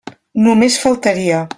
Només faltaria.